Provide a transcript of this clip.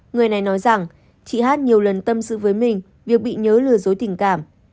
người này nói rằng chị hát nhiều lần tâm sự với mình việc bị nhớ lừa dối tình cảm